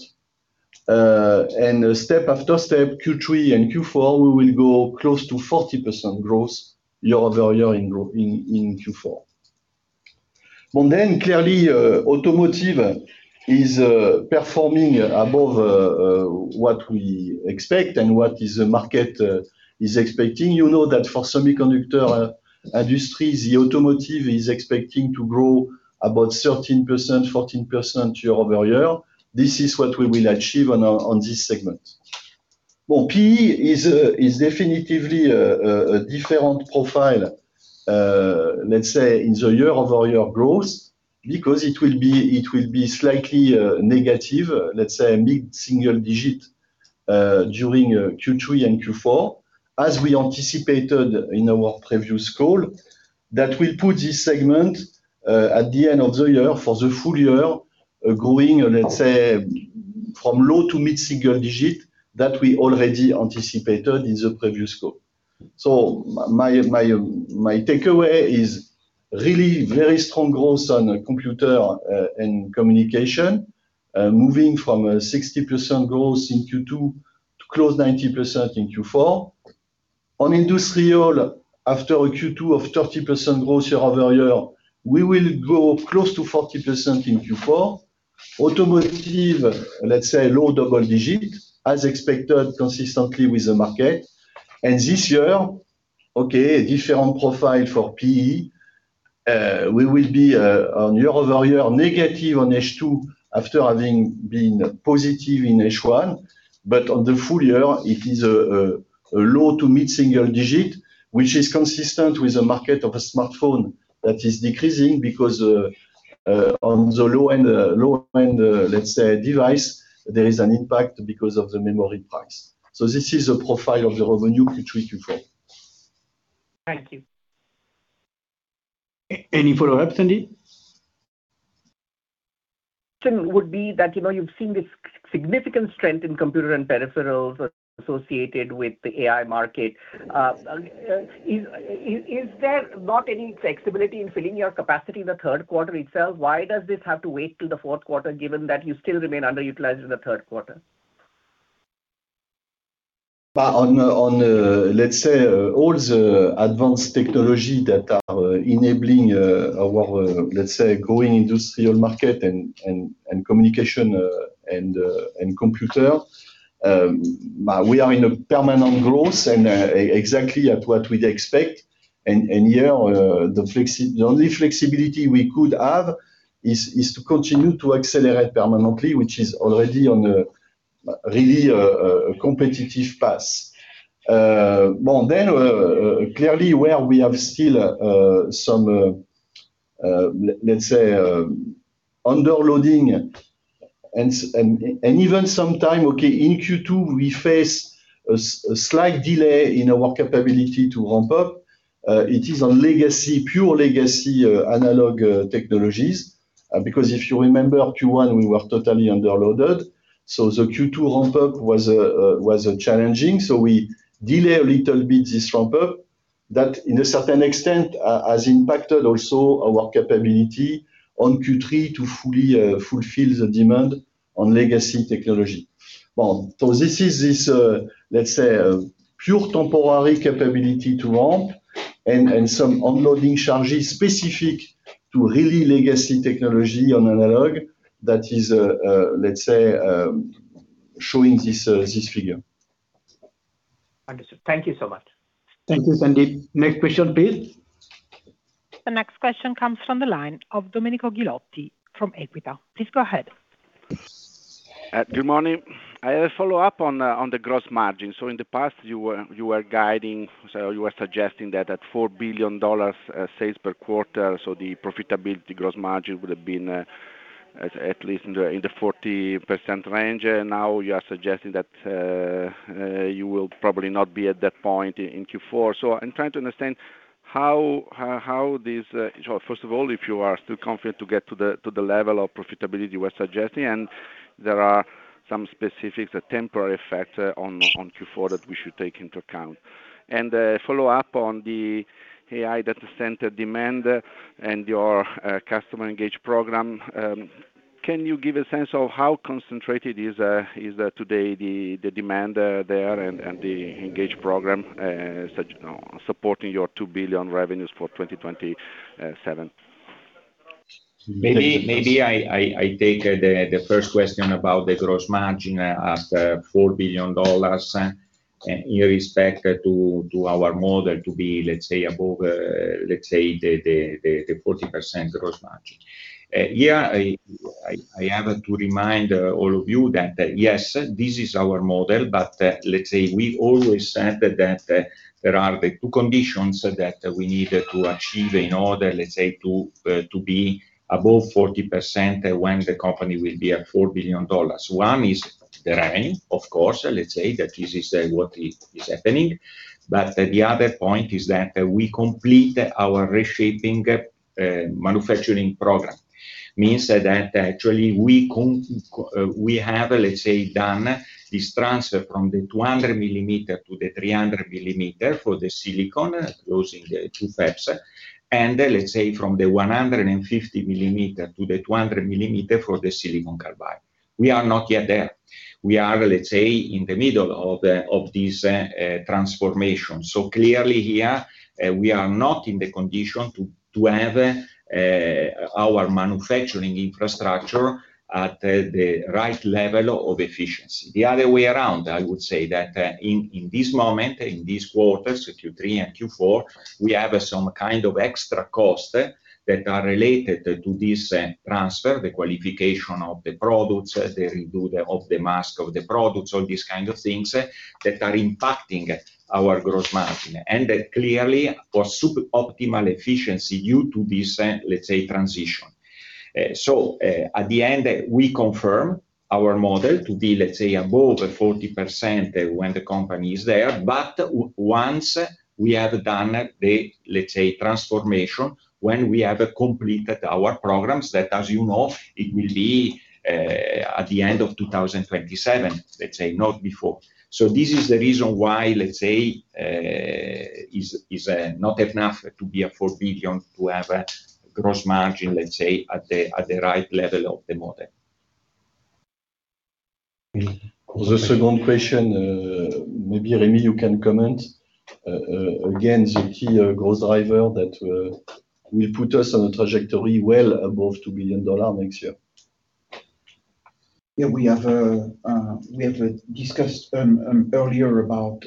Speaker 3: and step after step, Q3 and Q4, we will go close to 40% growth year-over-year in Q4. Clearly, automotive is performing above what we expect and what the market is expecting. You know that for semiconductor industry, the automotive is expecting to grow about 13%-14% year-over-year. This is what we will achieve on this segment. PE is definitively a different profile, let's say in the year-over-year growth, because it will be slightly negative, let's say a mid-single digit, during Q3 and Q4, as we anticipated in our previous call. That will put this segment at the end of the year for the full year growing, let's say from low to mid-single digit that we already anticipated in the previous call. My takeaway is really very strong growth on computer and communication, moving from a 60% growth in Q2 to close 90% in Q4. On industrial, after a Q2 of 30% growth year-over-year, we will grow close to 40% in Q4. Automotive, let's say low double digit, as expected, consistently with the market. This year, a different profile for PE. We will be on year-over-year negative on H2 after having been positive in H1. On the full year, it is a low to mid-single digit, which is consistent with the market of a smartphone that is decreasing because on the low-end device, there is an impact because of the memory price. This is a profile of the revenue Q3, Q4.
Speaker 9: Thank you.
Speaker 2: Any follow-up, Sandeep?
Speaker 9: Sure, would be that you've seen this significant strength in computer and peripherals associated with the AI market. Is there not any flexibility in filling your capacity in the third quarter itself? Why does this have to wait till the fourth quarter, given that you still remain underutilized in the third quarter?
Speaker 3: Let's say all the advanced technologies that are enabling our growing industrial market and communication and computer. We are in a permanent growth and exactly at what we'd expect. Yeah, the only flexibility we could have is to continue to accelerate permanently, which is already on a really competitive path. Clearly where we have still some, let's say, underloading and even sometimes, okay, in Q2, we face a slight delay in our capability to ramp up. It is on legacy, pure legacy analog technologies. Because if you remember Q1, we were totally underloaded, the Q2 ramp up was challenging. We delay a little bit this ramp up. That, in a certain extent, has impacted also our capability on Q3 to fulfill the demand on legacy technology. This is this, let's say, pure temporary capability to ramp and some underloading charges specific to really legacy technology on analog that is, let's say, showing this figure.
Speaker 9: Understood. Thank you so much.
Speaker 2: Thank you, Sandeep. Next question, please.
Speaker 1: The next question comes from the line of Domenico Ghilotti from Equita. Please go ahead.
Speaker 10: Good morning. A follow-up on the gross margin. In the past, you were guiding, you were suggesting that at $4 billion sales per quarter, the profitability gross margin would have been at least in the 40% range. Now you are suggesting that you will probably not be at that point in Q4. I'm trying to understand, first of all, if you are still confident to get to the level of profitability you were suggesting, and there are some specifics, a temporary factor on Q4 that we should take into account. A follow-up on the AI data center demand and your customer engage program. Can you give a sense of how concentrated is today the demand there and the engage program supporting your $2 billion revenues for 2027?
Speaker 4: Maybe I take the first question about the gross margin at $4 billion in respect to our model to be, let's say, above the 40% gross margin. Yeah, I have to remind all of you that, yes, this is our model, but let's say we always said that there are the two conditions that we need to achieve in order, let's say, to be above 40% when the company will be at $4 billion. One is the revenue, of course, let's say, that this is what is happening. The other point is that we complete our reshaping manufacturing program. Means that actually we have, let's say, done this transfer from the 200 millimeters to the 300 millimeters for the silicon, closing the two fabs. Let's say from the 150 millimeters to the 200 millimeters for the silicon carbide. We are not yet there. We are, let's say, in the middle of this transformation. Clearly here, we are not in the condition to have our manufacturing infrastructure at the right level of efficiency. The other way around, I would say that in this moment, in this quarter, Q3 and Q4, we have some kind of extra cost that are related to this transfer, the qualification of the products, the redo of the mask of the products, all these kind of things that are impacting our gross margin. Clearly, for sub-optimal efficiency due to this, let's say, transition. At the end, we confirm our model to be, let's say, above 40% when the company is there. Once we have done the, let's say, transformation, when we have completed our programs that as you know, it will be at the end of 2027, let's say, not before. This is the reason why, let's say, it's not enough to be at $4 billion to have a gross margin, let's say, at the right level of the model.
Speaker 3: The second question, maybe Remi, you can comment. The key growth driver that will put us on a trajectory well above $2 billion next year.
Speaker 7: Yeah, we have discussed earlier about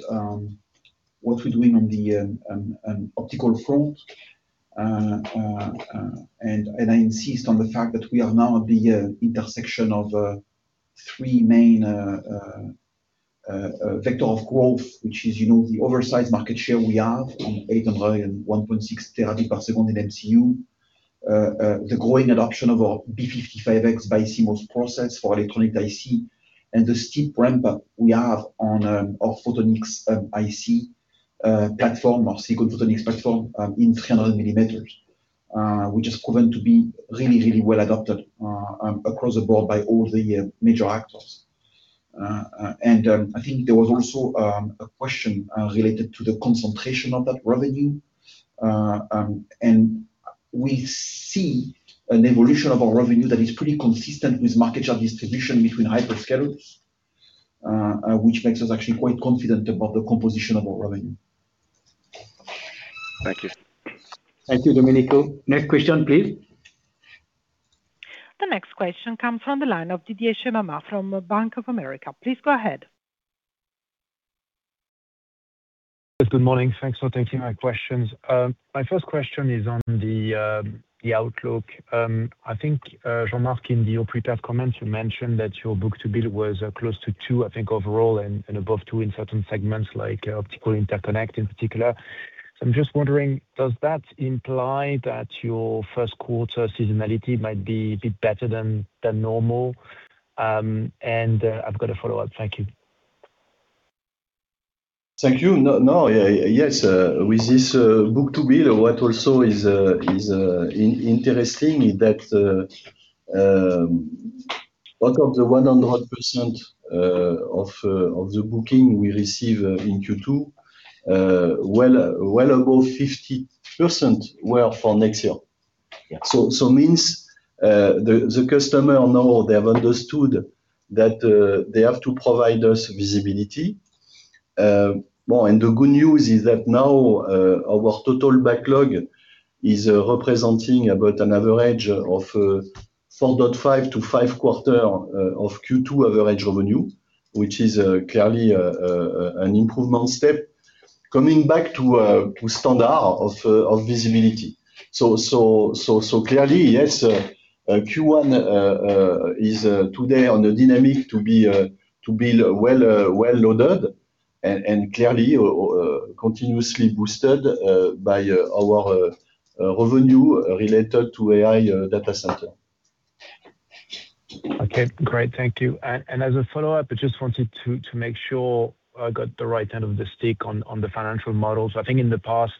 Speaker 7: what we're doing on the optical front. I insist on the fact that we are now at the intersection of three main vector of growth, which is the oversized market share we have on 800 gig and 1.6 terabit per second in MCU, the growing adoption of our B55X BiCMOS process for electronic IC, and the steep ramp up we have on our photonic IC platform or silicon photonics platform in 300 millimeter which is proven to be really well adopted across the board by all the major actors. I think there was also a question related to the concentration of that revenue. We see an evolution of our revenue that is pretty consistent with market share distribution between hyperscalers, which makes us actually quite confident about the composition of our revenue.
Speaker 10: Thank you.
Speaker 2: Thank you, Domenico. Next question, please.
Speaker 1: The next question comes from the line of Didier Scemama from Bank of America. Please go ahead.
Speaker 11: Yes. Good morning. Thanks for taking my questions. My first question is on the outlook. I think, Jean-Marc, in the opening comments, you mentioned that your book-to-bill was close to two, I think, overall and above two in certain segments, like optical interconnect in particular. I'm just wondering, does that imply that your first quarter seasonality might be a bit better than normal? And I've got a follow-up. Thank you.
Speaker 3: Thank you. No. Yes, with this book-to-bill, what also is interesting is that out of the 100% of the booking we receive in Q2, well above 50% were for next year.
Speaker 11: Yeah.
Speaker 3: Means the customer now they have understood that they have to provide us visibility. The good news is that now our total backlog is representing about an average of 4.5 to five quarters of Q2 average revenue, which is clearly an improvement step coming back to standard of visibility. Clearly, yes, Q1 is today on the dynamic to be well-loaded and clearly continuously boosted by our revenue related to AI data center.
Speaker 11: Okay. Great. Thank you. As a follow-up, I just wanted to make sure I got the right end of the stick on the financial models. I think in the past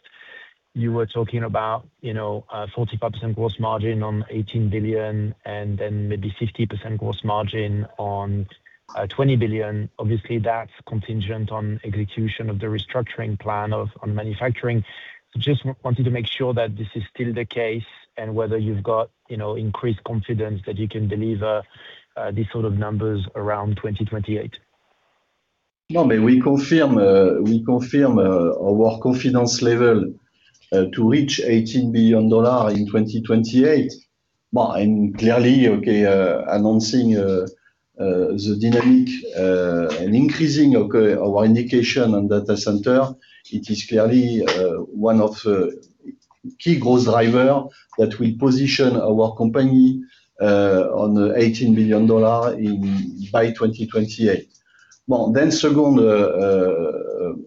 Speaker 11: you were talking about 45% gross margin on $18 billion and then maybe 50% gross margin on $20 billion. Obviously, that's contingent on execution of the restructuring plan on manufacturing. Just wanted to make sure that this is still the case and whether you've got increased confidence that you can deliver these sort of numbers around 2028.
Speaker 3: No, we confirm our confidence level to reach $18 billion in 2028. Clearly, okay, announcing the dynamic and increasing our indication on data center, it is clearly one of key growth driver that will position our company on $18 billion by 2028. Second,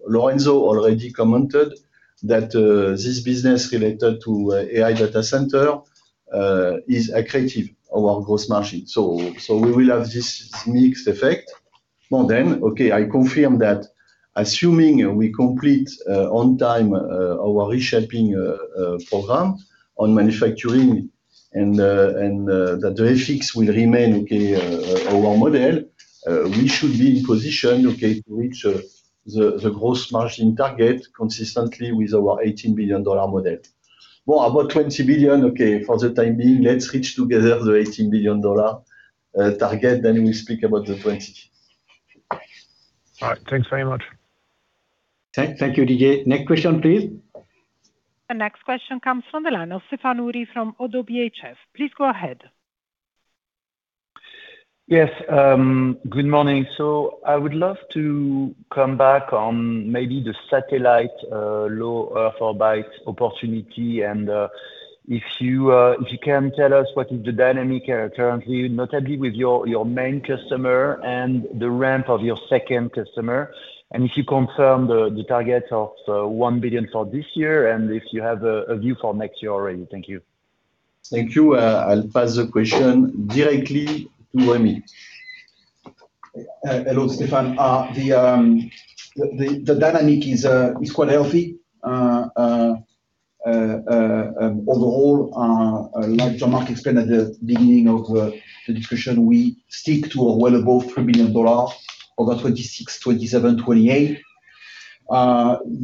Speaker 3: Lorenzo already commented that this business related to AI data center is accretive our gross margin. We will have this mixed effect. Okay, I confirm that assuming we complete on time our reshaping program on manufacturing and that the FX will remain, okay, our model, we should be in position, okay, to reach the gross margin target consistently with our $18 billion model. About $20 billion, okay, for the time being, let's reach together the $18 billion target, we'll speak about the $20 billion.
Speaker 11: All right. Thanks very much.
Speaker 2: Thank you, Didier. Next question, please.
Speaker 1: The next question comes from the line of Stéphane Houri from Oddo BHF. Please go ahead.
Speaker 12: Yes, good morning. I would love to come back on maybe the satellite low Earth orbit opportunity and if you can tell us what is the dynamic currently, notably with your main customer and the ramp of your second customer, and if you confirm the target of $1 billion for this year and if you have a view for next year already. Thank you.
Speaker 3: Thank you. I'll pass the question directly to Remi.
Speaker 7: Hello, Stéphane. The dynamic is quite healthy. Overall, like Jean-Marc explained at the beginning of the discussion, we stick to well above $3 billion over 2026, 2027, 2028.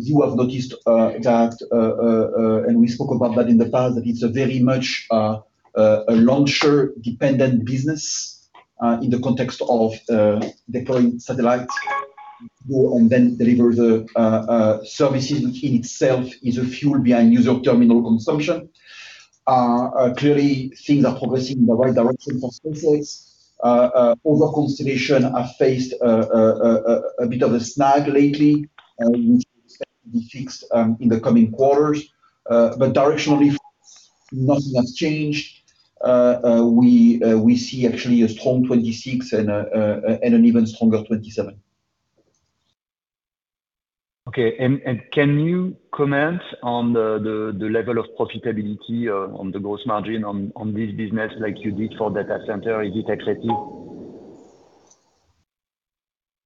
Speaker 7: You have noticed that, and we spoke about that in the past, that it's a very much a launcher-dependent business in the context of deploying satellites and then deliver the services in itself is a fuel behind user terminal consumption. Clearly things are progressing in the right direction for SpaceX. Over consideration, have faced a bit of a snag lately, which we expect to be fixed in the coming quarters. Directionally, nothing has changed. We see actually a strong 2026 and an even stronger 2027.
Speaker 12: Okay. Can you comment on the level of profitability on the gross margin on this business like you did for data center? Is it accretive?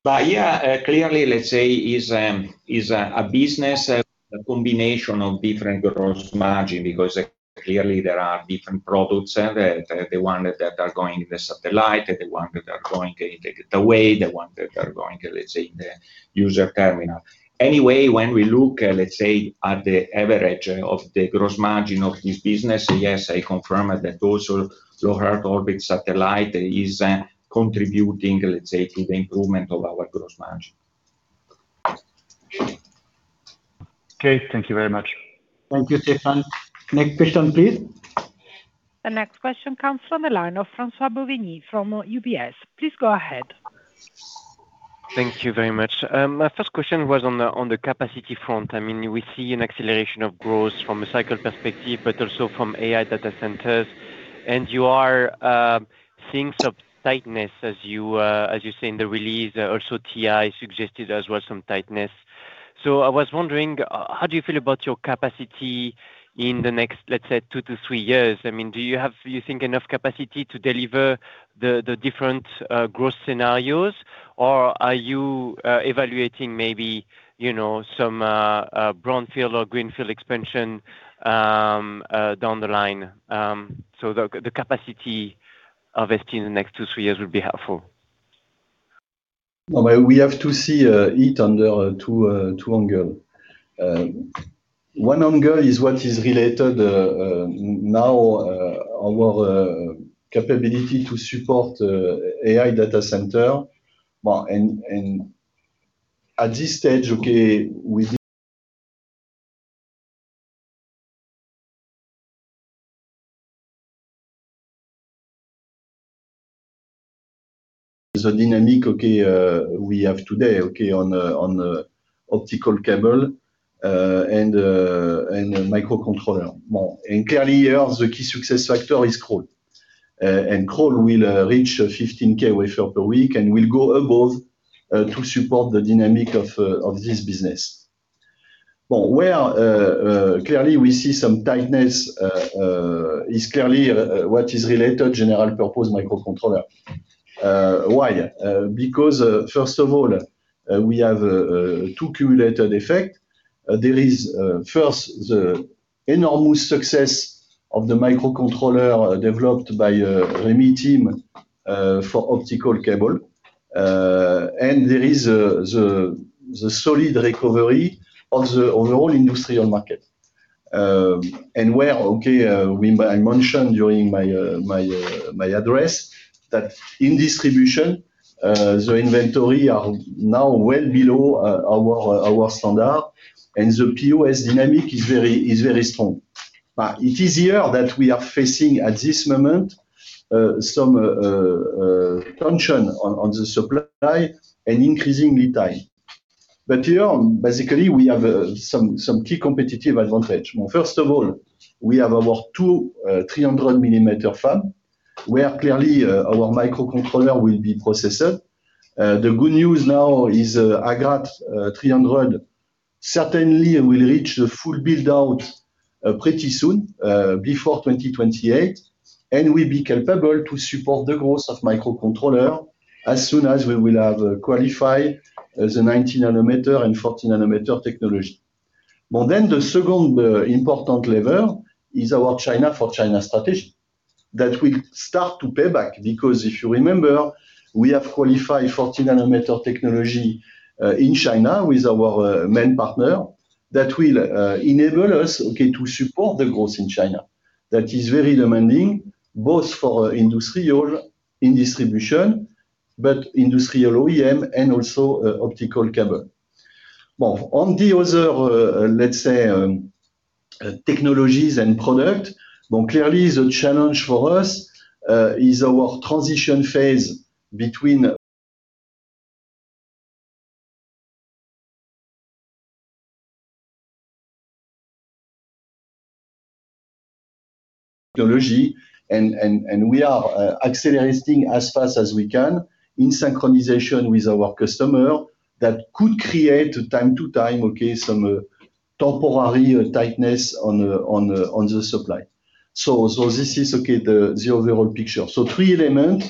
Speaker 4: Yeah, clearly, let's say, is a business with a combination of different gross margin, because clearly there are different products there. The ones that are going in the satellite, the ones that are going in the gateway, the ones that are going, let's say, in the user terminal. Anyway, when we look, let's say, at the average of the gross margin of this business, yes, I confirm that that low Earth orbit satellite is contributing, let's say, to the improvement of our gross margin.
Speaker 12: Okay, thank you very much.
Speaker 2: Thank you, Stéphane. Next question, please.
Speaker 1: The next question comes from the line of François Bouvignies from UBS. Please go ahead.
Speaker 13: Thank you very much. My first question was on the capacity front. We see an acceleration of growth from a cycle perspective, but also from AI data centers. You are seeing some tightness, as you say in the release. Also, TI suggested as well some tightness. I was wondering, how do you feel about your capacity in the next, let's say, two to three years? Do you have, you think, enough capacity to deliver the different growth scenarios, or are you evaluating maybe some brownfield or greenfield expansion down the line? The capacity of ST in the next two, three years would be helpful.
Speaker 3: We have to see it under two angle. One angle is what is related now our capability to support AI data center. At this stage, the dynamic we have today on optical cable and microcontroller. Clearly here, the key success factor is Crolles. Crolles will reach 15K wafer per week and will go above to support the dynamic of this business. Where clearly we see some tightness is clearly what is related general purpose microcontroller. Why? Because first of all, we have two cumulative effect. There is first, the enormous success of the microcontroller developed by Remi team for optical transceiver, and there is the solid recovery of the overall industrial market. Where, remember I mentioned during my address that in distribution, the inventory are now well below our standard, and the POS dynamic is very strong. It is here that we are facing, at this moment, some tension on the supply and increasing lead time. Here, basically, we have some key competitive advantage. First of all, we have our two 300-millimeter FAB, where clearly our microcontroller will be processed. The good news now is Agrate 300 certainly will reach the full build-out pretty soon, before 2028, and will be capable to support the growth of microcontroller as soon as we will have qualified the 90-nm and 40-nm technology. The second important lever is our China for China strategy that will start to pay back, because if you remember, we have qualified 40-nm technology in China with our main partner that will enable us to support the growth in China. That is very demanding, both for industrial in distribution, but industrial OEM and also optical transceiver. On the other technologies and product, clearly the challenge for us is our transition phase between technology, and we are accelerating as fast as we can in synchronization with our customer that could create time to time, some temporary tightness on the supply. This is the overall picture. Three element.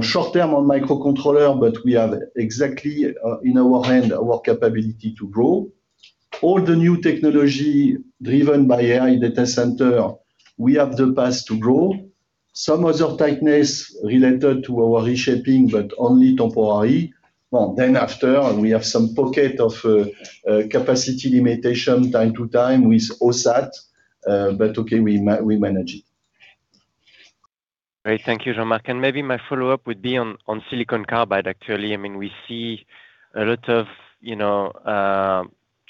Speaker 3: Short term on microcontroller, but we have exactly in our hand our capability to grow. All the new technology driven by AI data center, we have the path to grow. Some other tightness related to our reshaping, but only temporary. After, we have some pocket of capacity limitation time to time with OSAT, but we manage it.
Speaker 13: Great. Thank you, Jean-Marc. Maybe my follow-up would be on silicon carbide, actually. We see a lot of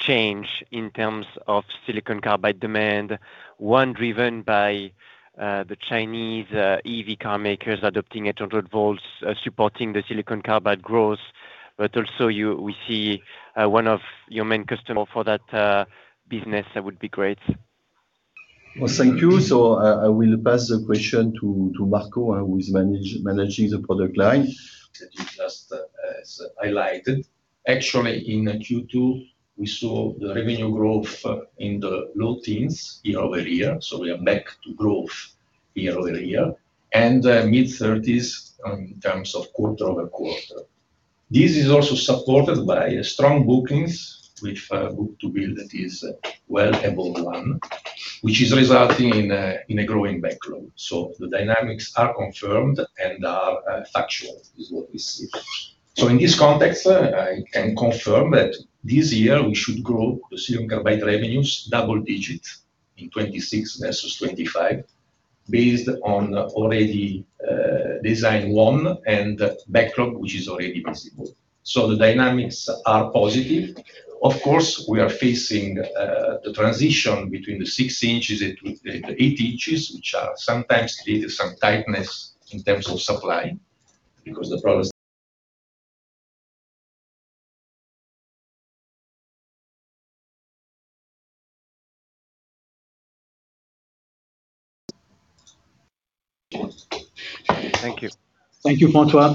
Speaker 13: change in terms of silicon carbide demand. One driven by the Chinese EV car makers adopting 800 volts, supporting the silicon carbide growth. Also we see one of your main customer for that business, that would be great.
Speaker 3: Thank you. I will pass the question to Marco, who is managing the product line.
Speaker 14: That you just highlighted. Actually, in Q2, we saw the revenue growth in the low teens year-over-year. We are back to growth year-over-year. Mid-30s in terms of quarter-over-quarter. This is also supported by strong bookings, which book-to-bill that is well above one, which is resulting in a growing backlog. The dynamics are confirmed and are factual, is what we see. In this context, I can confirm that this year we should grow the silicon carbide revenues double digit in 2026 versus 2025, based on already design won and backlog, which is already visible. The dynamics are positive. Of course, we are facing the transition between the 6 in and the 8 in, which are sometimes create some tightness in terms of supply.
Speaker 13: Thank you.
Speaker 2: Thank you, François.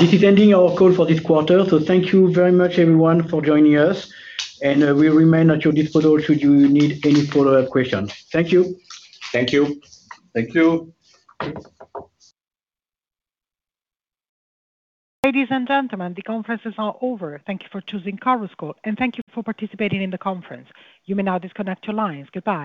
Speaker 2: This is ending our call for this quarter. Thank you very much, everyone, for joining us. We remain at your disposal should you need any follow-up questions. Thank you.
Speaker 14: Thank you.
Speaker 3: Thank you.
Speaker 1: Ladies and gentlemen, the conference is now over. Thank you for choosing Chorus Call, and thank you for participating in the conference. You may now disconnect your lines. Goodbye